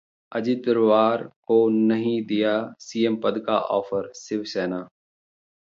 अजीत पवार को नहीं दिया सीएम पद का ऑफर: शिवसेना